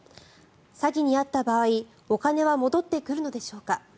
詐欺に遭った場合お金は戻ってくるのでしょうか。